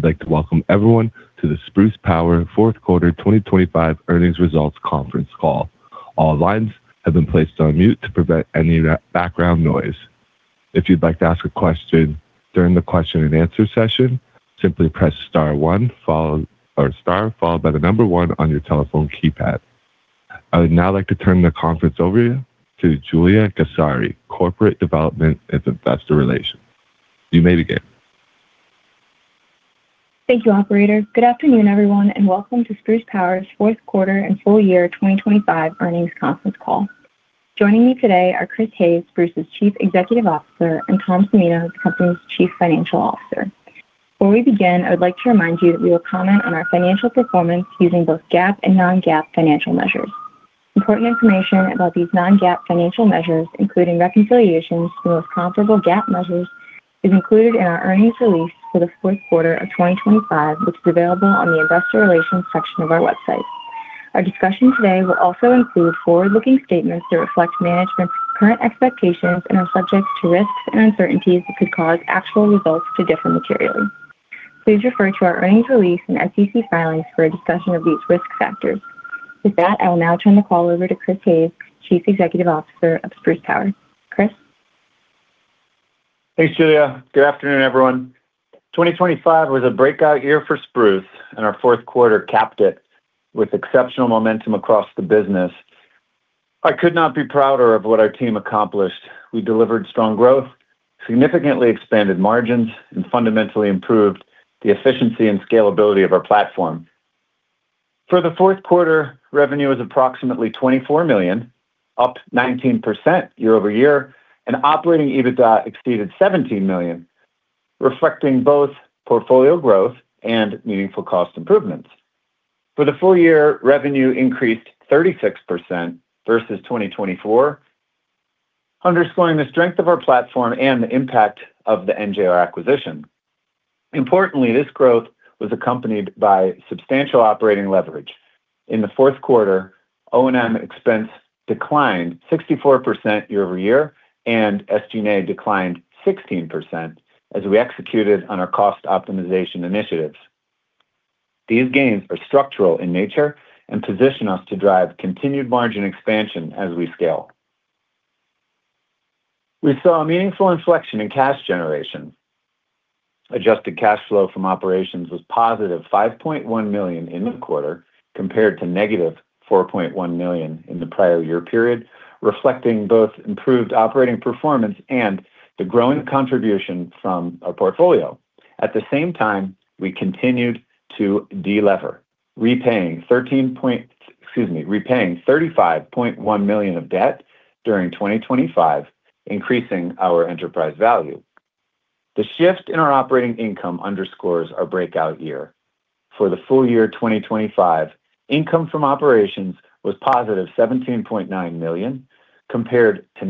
I'd like to welcome everyone to the Spruce Power fourth quarter 2025 earnings results conference call. All lines have been placed on mute to prevent any background noise. If you'd like to ask a question during the question and answer session, simply press star one or star followed by the number one on your telephone keypad. I would now like to turn the conference over to Julia Cassari, Corporate Development and Investor Relations. You may begin. Thank you, operator. Good afternoon, everyone, and welcome to Spruce Power's fourth quarter and full year 2025 earnings conference call. Joining me today are Chris Hayes, Spruce's Chief Executive Officer, and Tom Cimino, the company's Chief Financial Officer. Before we begin, I would like to remind you that we will comment on our financial performance using both GAAP and non-GAAP financial measures. Important information about these non-GAAP financial measures, including reconciliations to the most comparable GAAP measures, is included in our earnings release for the fourth quarter of 2025, which is available on the investor relations section of our website. Our discussion today will also include forward-looking statements that reflect management's current expectations and are subject to risks and uncertainties that could cause actual results to differ materially. Please refer to our earnings release and SEC filings for a discussion of these risk factors. With that, I will now turn the call over to Chris Hayes, Chief Executive Officer of Spruce Power. Chris. Thanks, Julia. Good afternoon, everyone. 2025 was a breakout year for Spruce, and our fourth quarter capped it with exceptional momentum across the business. I could not be prouder of what our team accomplished. We delivered strong growth, significantly expanded margins, and fundamentally improved the efficiency and scalability of our platform. For the fourth quarter, revenue was approximately $24 million, up 19% year-over-year, and operating EBITDA exceeded $17 million, reflecting both portfolio growth and meaningful cost improvements. For the full year, revenue increased 36% versus 2024, underscoring the strength of our platform and the impact of the NJR acquisition. Importantly, this growth was accompanied by substantial operating leverage. In the fourth quarter, O&M expense declined 64% year-over-year, and SG&A declined 16% as we executed on our cost optimization initiatives. These gains are structural in nature and position us to drive continued margin expansion as we scale. We saw a meaningful inflection in cash generation. Adjusted cash flow from operations was $5.1 million in the quarter compared to -$4.1 million in the prior year period, reflecting both improved operating performance and the growing contribution from our portfolio. At the same time, we continued to delever, repaying $35.1 million of debt during 2025, increasing our enterprise value. The shift in our operating income underscores our breakout year. For the full year 2025, income from operations was $17.9 million, compared to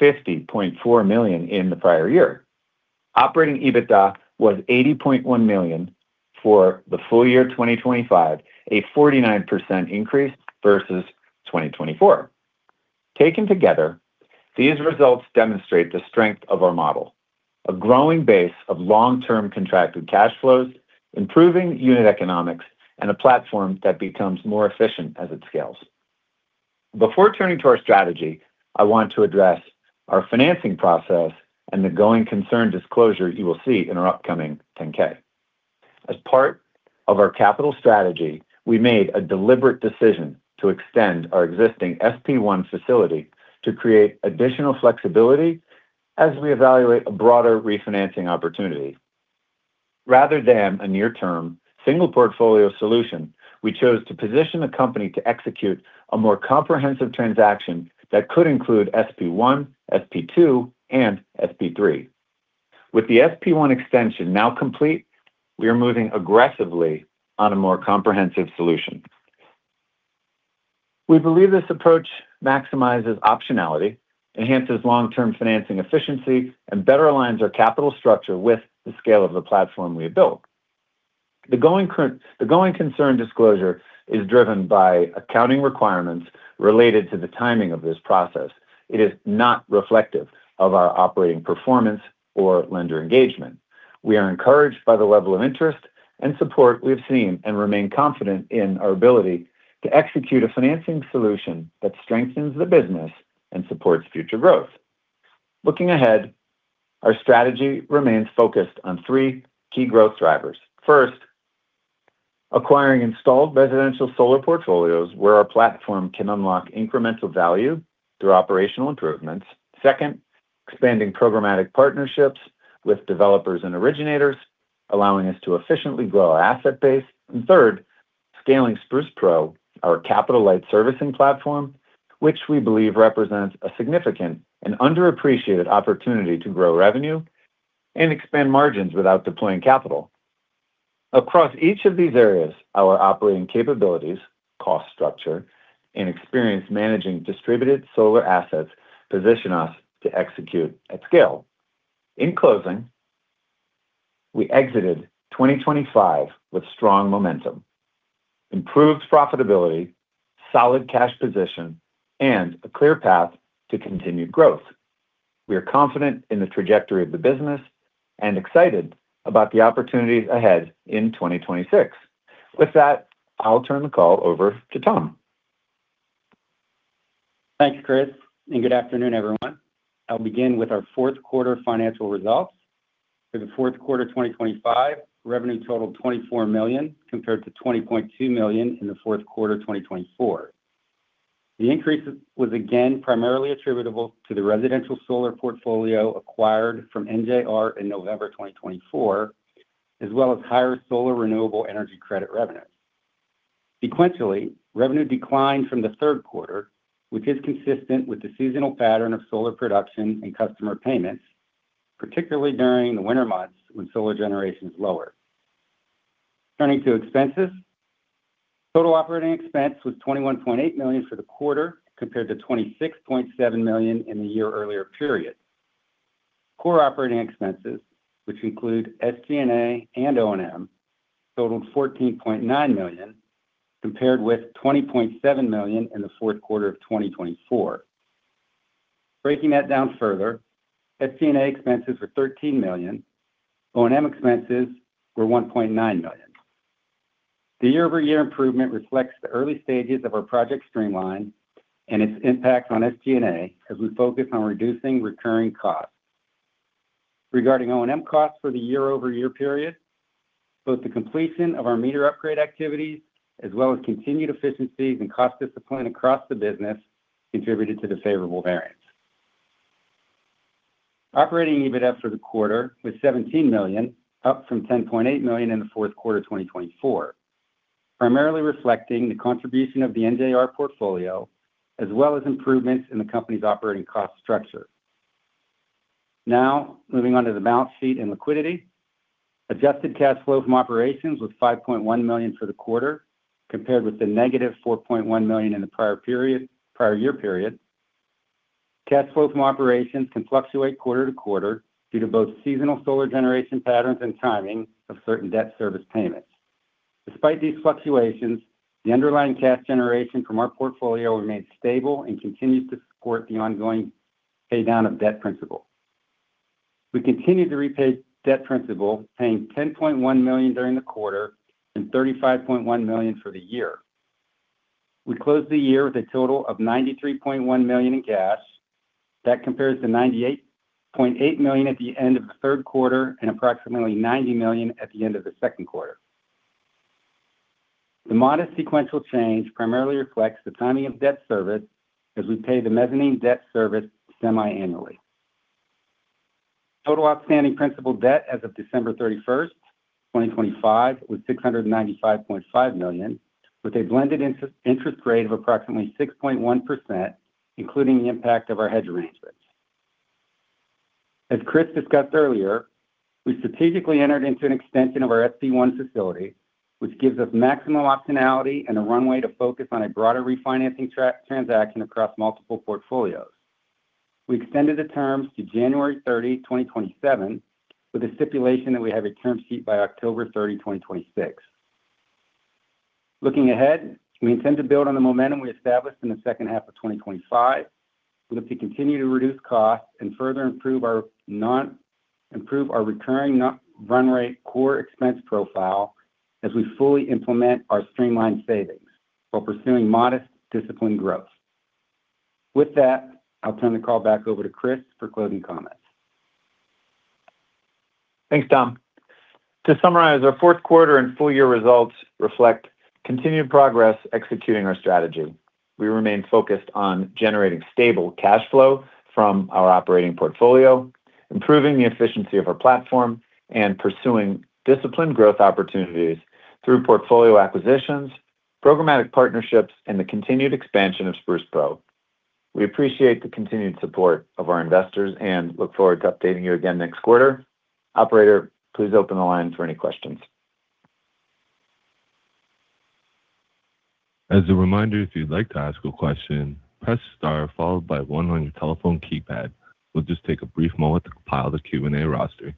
-$50.4 million in the prior year. Operating EBITDA was $80.1 million for the full year 2025, a 49% increase versus 2024. Taken together, these results demonstrate the strength of our model, a growing base of long-term contracted cash flows, improving unit economics, and a platform that becomes more efficient as it scales. Before turning to our strategy, I want to address our financing process and the going concern disclosure you will see in our upcoming 10-K. As part of our capital strategy, we made a deliberate decision to extend our existing SP1 facility to create additional flexibility as we evaluate a broader refinancing opportunity. Rather than a near-term single portfolio solution, we chose to position the company to execute a more comprehensive transaction that could include SP1, SP2, and SP3. With the SP1 extension now complete, we are moving aggressively on a more comprehensive solution. We believe this approach maximizes optionality, enhances long-term financing efficiency, and better aligns our capital structure with the scale of the platform we have built. The going concern disclosure is driven by accounting requirements related to the timing of this process. It is not reflective of our operating performance or lender engagement. We are encouraged by the level of interest and support we have seen and remain confident in our ability to execute a financing solution that strengthens the business and supports future growth. Looking ahead, our strategy remains focused on three key growth drivers. First, acquiring installed residential solar portfolios where our platform can unlock incremental value through operational improvements. Second, expanding programmatic partnerships with developers and originators, allowing us to efficiently grow our asset base. Third, scaling Spruce Pro, our capital-light servicing platform, which we believe represents a significant and underappreciated opportunity to grow revenue and expand margins without deploying capital. Across each of these areas, our operating capabilities, cost structure, and experience managing distributed solar assets position us to execute at scale. In closing, we exited 2025 with strong momentum. Improved profitability, solid cash position, and a clear path to continued growth. We are confident in the trajectory of the business and excited about the opportunities ahead in 2026. With that, I'll turn the call over to Tom. Thanks, Chris, and good afternoon, everyone. I'll begin with our fourth quarter financial results. For the fourth quarter of 2025, revenue totaled $24 million compared to $20.2 million in the fourth quarter of 2024. The increase was again primarily attributable to the residential solar portfolio acquired from NJR in November 2024, as well as higher solar renewable energy credit revenues. Sequentially, revenue declined from the third quarter, which is consistent with the seasonal pattern of solar production and customer payments, particularly during the winter months when solar generation is lower. Turning to expenses, total operating expense was $21.8 million for the quarter, compared to $26.7 million in the year earlier period. Core operating expenses, which include SG&A and O&M, totaled $14.9 million, compared with $20.7 million in the fourth quarter of 2024. Breaking that down further, SG&A expenses were $13 million, O&M expenses were $1.9 million. The year-over-year improvement reflects the early stages of our Project Streamline and its impact on SG&A as we focus on reducing recurring costs. Regarding O&M costs for the year-over-year period, both the completion of our meter upgrade activities as well as continued efficiencies and cost discipline across the business contributed to the favorable variance. Operating EBITDA for the quarter was $17 million, up from $10.8 million in the fourth quarter of 2024, primarily reflecting the contribution of the NJR portfolio as well as improvements in the company's operating cost structure. Now, moving on to the balance sheet and liquidity. Adjusted cash flow from operations was $5.1 million for the quarter, compared with the -$4.1 million in the prior year period. Cash flow from operations can fluctuate quarter to quarter due to both seasonal solar generation patterns and timing of certain debt service payments. Despite these fluctuations, the underlying cash generation from our portfolio remained stable and continues to support the ongoing pay down of debt principal. We continued to repay debt principal, paying $10.1 million during the quarter and $35.1 million for the year. We closed the year with a total of $93.1 million in cash. That compares to $98.8 million at the end of the third quarter and approximately $90 million at the end of the second quarter. The modest sequential change primarily reflects the timing of debt service as we pay the mezzanine debt service semi-annually. Total outstanding principal debt as of December 31, 2025, was $695.5 million, with a blended interest rate of approximately 6.1%, including the impact of our hedge arrangements. As Chris discussed earlier, we strategically entered into an extension of our SP1 facility, which gives us maximum optionality and a runway to focus on a broader refinancing transaction across multiple portfolios. We extended the terms to January 30, 2027, with a stipulation that we have a term sheet by October 30, 2026. Looking ahead, we intend to build on the momentum we established in the second half of 2025. We look to continue to reduce costs and further improve our recurring run rate core expense profile as we fully implement our streamlined savings while pursuing modest, disciplined growth. With that, I'll turn the call back over to Chris for closing comments. Thanks, Tom. To summarize, our fourth quarter and full year results reflect continued progress executing our strategy. We remain focused on generating stable cash flow from our operating portfolio, improving the efficiency of our platform, and pursuing disciplined growth opportunities through portfolio acquisitions, programmatic partnerships, and the continued expansion of Spruce Pro. We appreciate the continued support of our investors and look forward to updating you again next quarter. Operator, please open the line for any questions. As a reminder, if you'd like to ask a question, press star followed by one on your telephone keypad. We'll just take a brief moment to compile the Q&A roster.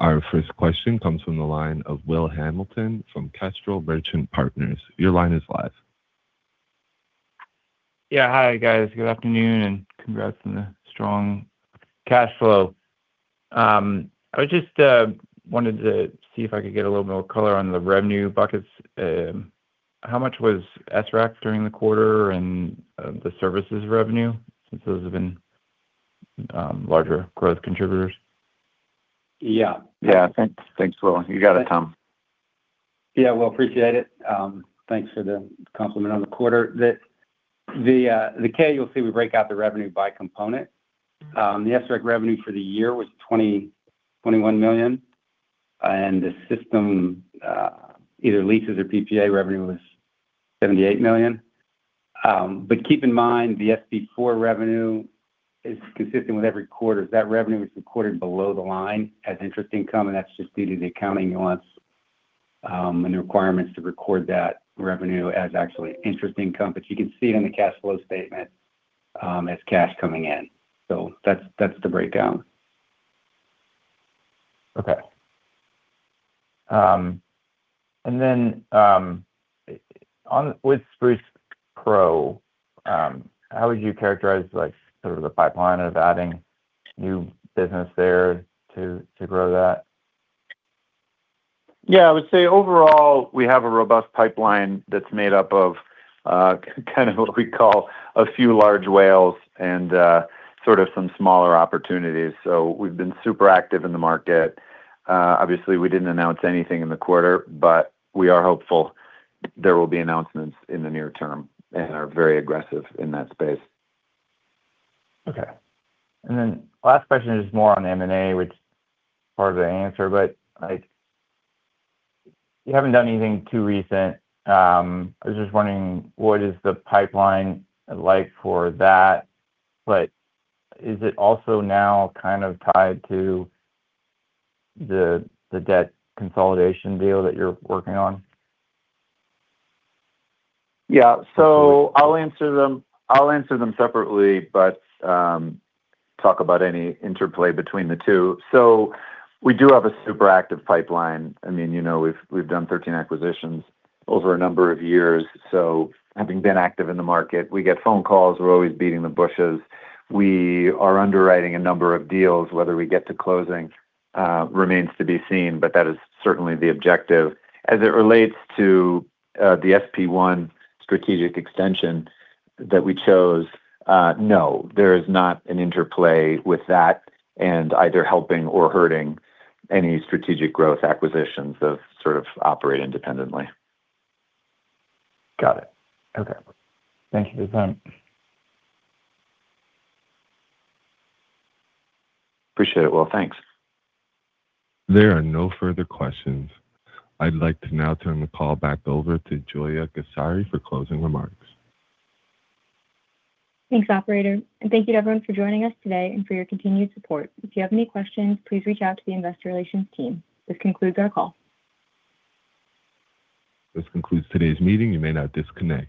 Our first question comes from the line of Will Hamilton from Kestrel Merchant Partners. Your line is live. Yeah. Hi, guys. Good afternoon, and congrats on the strong cash flow. I just wanted to see if I could get a little more color on the revenue buckets. How much was SREC during the quarter and the services revenue since those have been larger growth contributors? Yeah. Yeah. Thanks. Thanks, Will. You got it, Tom. Yeah, Will, appreciate it. Thanks for the compliment on the quarter. The 10-K you'll see we break out the revenue by component. The SREC revenue for the year was $21 million, and the system either leases or PPA revenue was $78 million. But keep in mind, the SP4 revenue is consistent with every quarter. That revenue is recorded below the line as interest income, and that's just due to the accounting nuance. The requirements to record that revenue as actually interest income. You can see it in the cash flow statement as cash coming in. That's the breakdown. With Spruce Pro, how would you characterize like sort of the pipeline of adding new business there to grow that? Yeah, I would say overall, we have a robust pipeline that's made up of, kind of what we call a few large whales and, sort of some smaller opportunities. We've been super active in the market. Obviously, we didn't announce anything in the quarter, but we are hopeful there will be announcements in the near term and are very aggressive in that space. Okay. Last question is more on M&A, which part of the answer, but, like, you haven't done anything too recent. I was just wondering, what is the pipeline like for that? Is it also now kind of tied to the debt consolidation deal that you're working on? Yeah. I'll answer them separately, but talk about any interplay between the two. We do have a super active pipeline. I mean, you know, we've done 13 acquisitions over a number of years. Having been active in the market, we get phone calls, we're always beating the bushes. We are underwriting a number of deals. Whether we get to closing remains to be seen, but that is certainly the objective. As it relates to the SP1 strategic extension that we chose, no, there is not an interplay with that and either helping or hurting any strategic growth acquisitions that sort of operate independently. Got it. Okay. Thank you for your time. Appreciate it, Will, thanks. There are no further questions. I'd like to now turn the call back over to Julia Cassari for closing remarks. Thanks, operator, and thank you to everyone for joining us today and for your continued support. If you have any questions, please reach out to the investor relations team. This concludes our call. This concludes today's meeting. You may now disconnect.